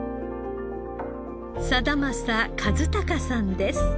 定政和隆さんです。